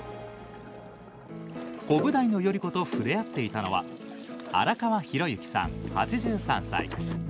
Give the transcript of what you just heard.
コブダイの頼子と触れ合っていたのは荒川寛幸さん、８３歳。